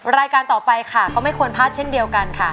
รายการต่อไปค่ะก็ไม่ควรพลาดเช่นเดียวกันค่ะ